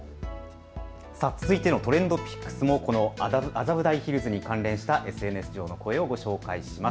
続いてのＴｒｅｎｄＰｉｃｋｓも麻布台ヒルズに関連したＳＮＳ上の声をご紹介します。